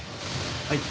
はい。